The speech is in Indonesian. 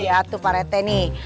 iya tuh pak rete nih